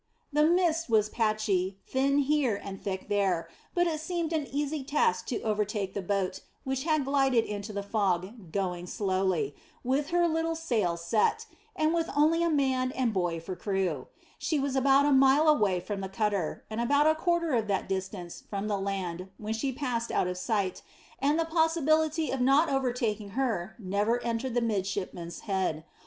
The mist was patchy, thin here and thick there, but it seemed an easy task to overtake the boat, which had glided into the fog, going slowly, with her little sail set, and with only a man and boy for crew. She was about a mile away from the cutter, and about a quarter of that distance from the land when she passed out of sight, and the possibility of not overtaking her never entered the midshipman's head.